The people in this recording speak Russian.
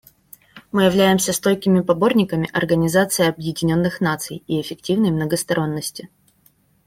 Мы являемся стойкими поборниками Организации Объединенных Наций и эффективной многосторонности.